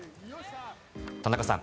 田中さん